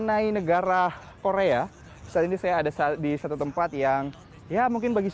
nih nih nih ada tempat yang satu ini